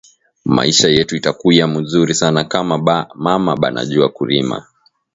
Maisha yetu itakuya muzuri sana kama ba mama bana jua ku rima